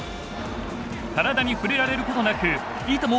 体に触れられることなくいとも